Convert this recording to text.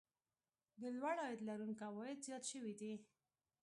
د لوړ عاید لرونکو عوايد زیات شوي دي